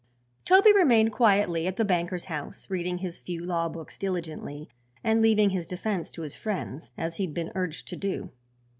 Toby remained quietly at the banker's house, reading his few law books diligently and leaving his defense to his friends, as he had been urged to do.